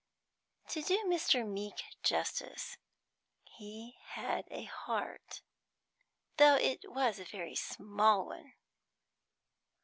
To do Mr. Meeke justice, he had a heart, though it was a very small one.